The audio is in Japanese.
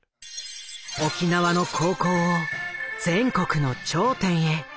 沖縄の高校を全国の頂点へ。